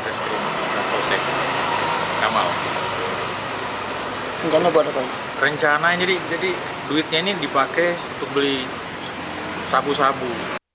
reskrim polsek kamal rencana buat rencana ini jadi duitnya ini dipakai untuk beli sabu sabu